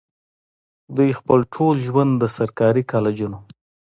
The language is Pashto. دوي خپل ټول ژوند د سرکاري کالجونو